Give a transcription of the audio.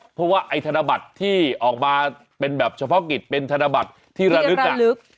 เพราะว่าไอ้ธนบัตรที่ออกมาเป็นแบบเฉพาะกิจเป็นธนบัตรที่ระลึก